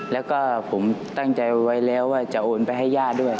แล้วก็ผมตั้งใจไว้แล้วว่าจะโอนไปให้ย่าด้วย